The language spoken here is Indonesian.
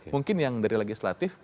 mungkin yang dari legislatif